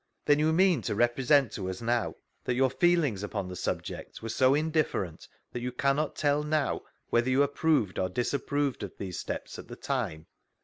Then you mean to represent to us now, that your feelings upon the subject were so indifferent, that you cannot tell now, whether you approved or disapproved of these steps at the time?